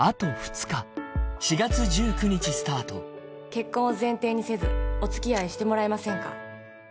結婚を前提にせずおつきあいしてもらえませんか？